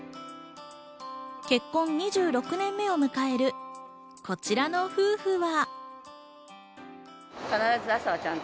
結婚２６年目を迎えるこちらの夫婦は。